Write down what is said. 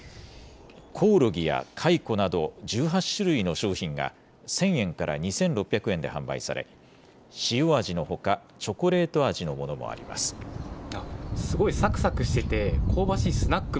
コオロギやカイコなど、１８種類の商品が１０００円から２６００円で販売され、塩味のほか、チョコレート味のものもあります。